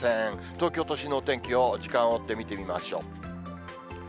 東京都心のお天気を、時間を追って見てみましょう。